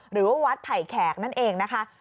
หรือว่าวัดไผ่แขกนั่นเองนะคะ